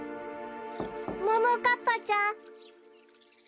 ももかっぱちゃん。